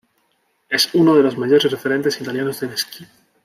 Es uno de los mayores referentes italianos del esquí.